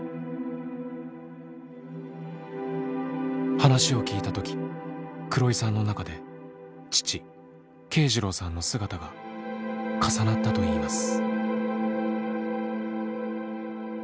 話を聞いた時黒井さんの中で父慶次郎さんの姿が重なったといいます。